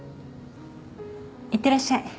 いってらっしゃい。